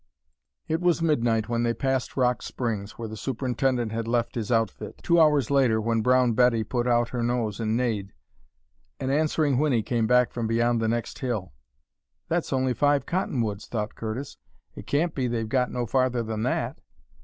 It was midnight when they passed Rock Springs, where the superintendent had left his outfit. Two hours later, when Brown Betty put out her nose and neighed, an answering whinny came back from beyond the next hill. "That's only Five Cottonwoods," thought Curtis. "It can't be they've got no farther than that!"